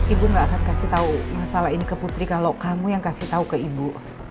ibu gak akan kasih tahu masalah ini ke putri kalau kamu yang kasih tahu ke ibu